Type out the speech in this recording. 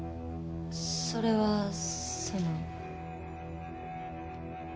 それはその。